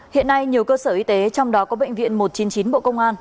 hiện nay nhiều cơ sở y tế trong đó có bệnh viện một trăm chín mươi chín bộ công an